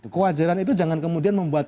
kewajaran itu jangan kemudian membuat